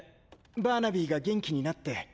バーナビーが元気になって。